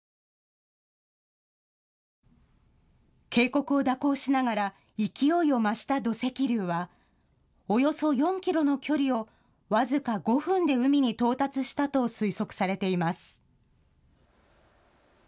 渓谷を蛇行しながら勢いを増した土石流はおよそ４キロの距離を僅か５分で海に到達したと推測されています。